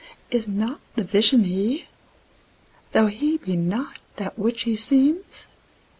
Is not the Vision He? tho' He be not that which He seems?